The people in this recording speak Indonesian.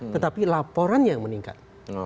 tetapi laporannya yang meningkat